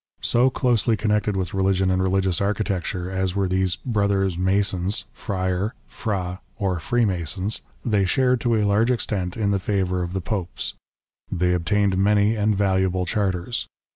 So closely connected with religion and religious architecture as were these " Brothers Masons,'' " Friar "" Era," or " Free Masons," they shared to a large extent in the favour of the Popes. They obtained many and valuable charters.